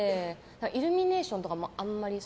イルミネーションとかもあんまり。